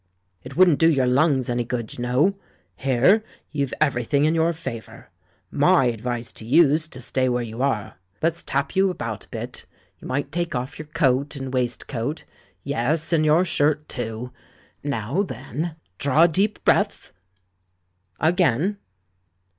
"It wouldn't do your lungs any good, you know. Here, you've everything in your favour. My ad\ace to you's to stay where you are. .•. Let's tap you about a bit; you might take off your coat and waistcoat ... yes, and your shirt,, too. Now then, draw a deep breath. ... Again."